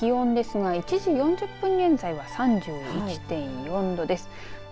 そして気温ですが１時４０分現在３１．４度です。